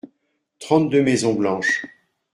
Trente-deux maisons blanches.